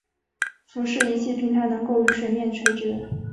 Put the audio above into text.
浮式仪器平台能够与水面垂直。